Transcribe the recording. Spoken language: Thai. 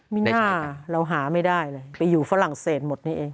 ไม่น่าเราหาไม่ได้เลยไปอยู่ฝรั่งเศสหมดนี่เอง